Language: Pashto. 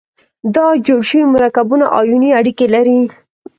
دا جوړ شوي مرکبونه آیوني اړیکې لري.